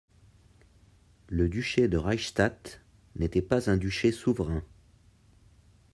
Le duché de Reichstadt n'était pas un duché souverain.